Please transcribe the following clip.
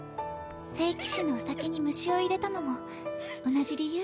聖騎士のお酒に虫を入れたのも同じ理由？